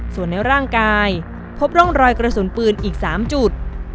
ส่วนในร่างกายพบร่องรอยกระสุนปืนอีก๓จุด